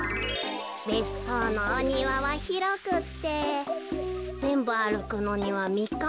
べっそうのおにわはひろくってぜんぶあるくのにはみっかもかかります。